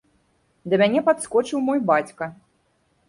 Да мяне падскочыў мой бацька.